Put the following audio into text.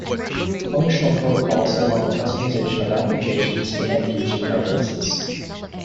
Functional protocols allow the customization of applications to end user preferences.